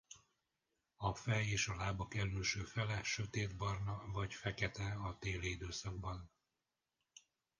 A fej és a lábak elülső fele sötétbarna vagy fekete a téli időszakban.